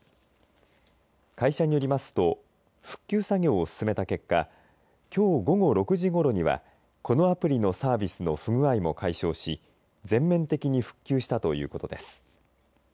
会社によりますと復旧作業を進めた結果きょう午後６時ごろにはこのアプリのサービスの不具合も解消し全面的に復旧したということです。